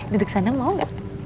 duduk sana mau nggak